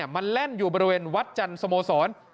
มันแล่นอยู่บริเวณวัดจันทร์สโมสร